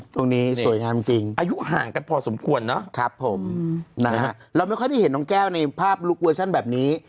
ตรงนี้สวยงามจริงอายุห่างกันพอสมควรนะครับผมนะฮะเราไม่ค่อยได้เห็นน้องแก้วในภาพลุคเวอร์ชันแบบนี้